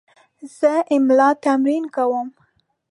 زه املا تمرین کوم.